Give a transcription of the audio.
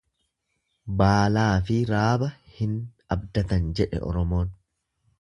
Baalaafi raaba hin abdatan jedhe Oromoon.